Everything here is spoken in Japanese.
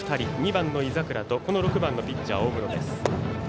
２番の井櫻と６番のピッチャー、大室です。